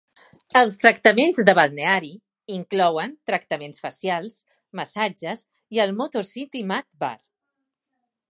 Els tractaments de balneari inclouen tractaments facials, massatges i el MotorCity Mud Bar.